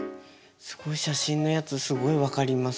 すごい写真のやつすごい分かります。